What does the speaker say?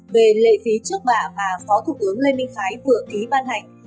về lệ phí trước bạ mà phó thủ tướng lê minh khái vừa ký ban hành